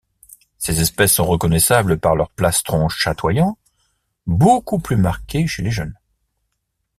Ces espèces sont reconnaissables par leurs plastrons chatoyant beaucoup plus marqué chez les jeunes.